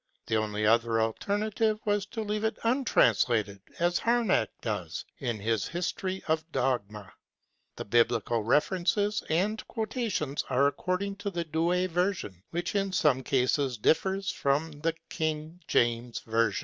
The only other alternative was to leave it untranslated, as Harnack does, in his "History of Dogma." The Biblical references and quotations are according to the ]Douay version, which in some instances differs from the King jjames Version.